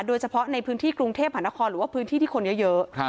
โดยเฉพาะในพื้นที่กรุงเทพหานครหรือว่าพื้นที่ที่คนเยอะ